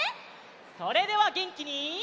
それではげんきに。